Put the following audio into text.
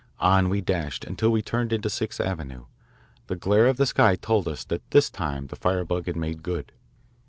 On we dashed until we turned into Sixth Avenue. The glare of the sky told us that this time the firebug had made good.